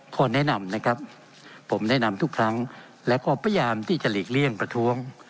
ขอแนะนำนะครับผมแนะนำทุกครั้งและก็พยายามที่จะหลีกเลี่ยงประท้วง